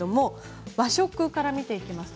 和食から見ていきます。